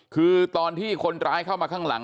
คือตอนที่คนร้ายเข้ามาข้างหลัง